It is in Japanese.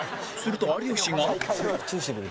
すると有吉が